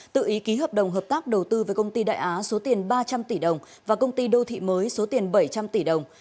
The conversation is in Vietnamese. tự ý ký hợp đồng hợp tác đầu tư với công ty đại á số tiền ba trăm linh tỷ đồng và công ty đô thị mới số tiền bảy trăm linh tỷ đồng